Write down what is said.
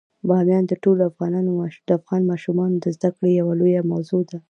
بامیان د ټولو افغان ماشومانو د زده کړې یوه لویه موضوع ده.